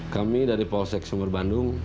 kami dari polsek sungur bandung